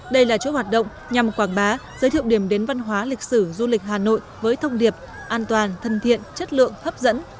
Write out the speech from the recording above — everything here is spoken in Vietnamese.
đây là chỗ hoạt động nhằm quảng bá giới thiệu điểm đến văn hóa lịch sử du lịch hà nội với thông điệp an toàn thân thiện chất lượng hấp dẫn